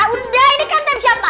udah ini kan tape siapa